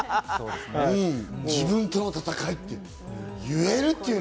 「自分との戦い」って言えるってね。